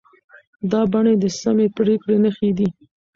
دا بڼې د سمې پرېکړې نښې دي.